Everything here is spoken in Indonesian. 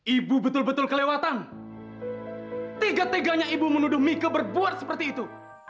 ibu betul betul kelewatan tega teganya ibu menuduh mika berbuat seperti itu